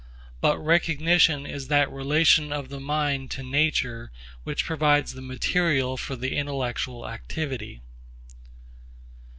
But recognition is that relation of the mind to nature which provides the material for the intellectual activity.